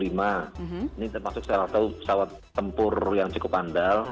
ini termasuk salah satu pesawat tempur yang cukup andal